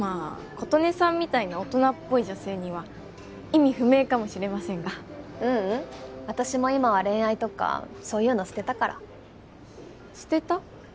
琴音さんみたいな大人っぽい女性には意味不明かもしれませんがううん私も今は恋愛とかそういうの捨てたから捨てた？